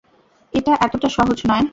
এটা এতটা সহজ নয়।